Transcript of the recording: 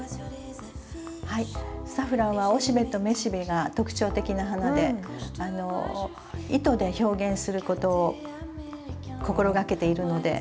はいサフランは雄しべと雌しべが特徴的な花で糸で表現することを心がけているので。